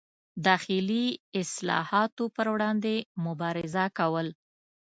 داخلي اصلاحاتو پر وړاندې مبارزه کوله.